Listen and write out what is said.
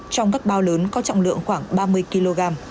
trong các bao lớn có trọng lượng khoảng ba mươi kg